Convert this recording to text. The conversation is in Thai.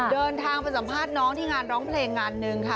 เดินทางไปสัมภาษณ์น้องที่งานร้องเพลงงานหนึ่งค่ะ